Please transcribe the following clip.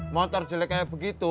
motor jelek kayak begitu